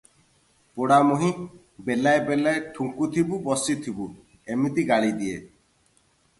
ପୋଡାମୁହିଁ, ବେଲାଏ ବେଲାଏ ଠୁଙ୍କୁଥିବୁ ବସିଥିବୁ' ଏମିତି ଗାଳି ଦିଏ ।